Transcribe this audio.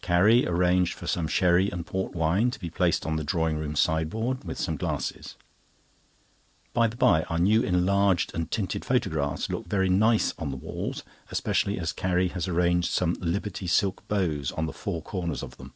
Carrie arranged for some sherry and port wine to be placed on the drawing room sideboard, with some glasses. By the by, our new enlarged and tinted photographs look very nice on the walls, especially as Carrie has arranged some Liberty silk bows on the four corners of them.